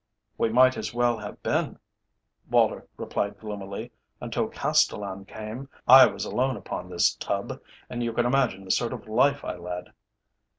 "We might as well have been," Woller replied gloomily. "Until Castellan came, I was alone upon this tub, and you can imagine the sort of life I led."